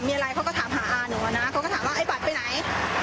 เพราะเขาจะมาพรุ่งนี้เขาจะมาส่งลูกเขามาเรียนที่นี่